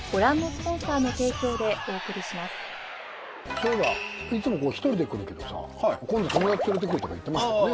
そういえばいつもここ１人で来るけどさ今度友達連れて来るとか言ってましたよね。